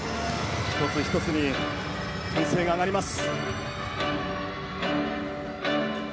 １つ１つに歓声が上がります。